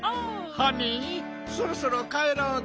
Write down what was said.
ハニーそろそろかえろうか。